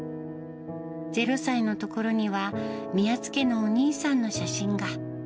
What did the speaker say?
０歳のところには、宮津家のお兄さんの写真が。